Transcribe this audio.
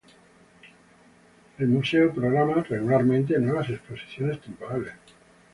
El museo programa regularmente nuevas exposiciones temporales.